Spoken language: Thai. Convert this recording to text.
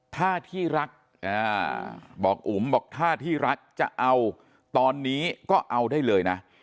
ถ้าที่รักบอกอุ๋มบอกถ้าที่รักจะเอาตอนนี้ก็เอาได้เลยนะ